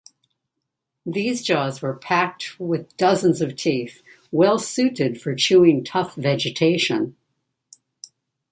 These jaws were packed with dozens of teeth, well suited for chewing tough vegetation.